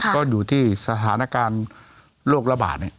ก็อยู่ที่สถานการณ์โรคระบาด